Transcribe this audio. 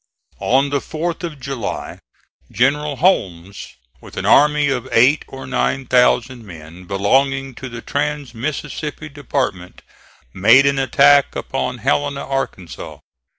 On the 4th of July General Holmes, with an army of eight or nine thousand men belonging to the trans Mississippi department, made an attack upon Helena, Arkansas.